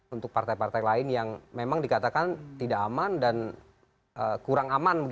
untuk partai partai lain yang memang dikatakan tidak aman dan kurang aman